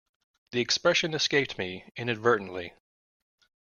The expression escaped me inadvertently.